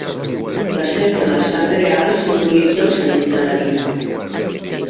La cerca del Sant Greal simbolitza el sentit de la vida.